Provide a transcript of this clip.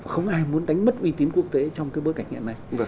không ai muốn đánh mất uy tín quốc tế trong cái bối cảnh hiện nay